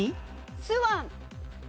スワン。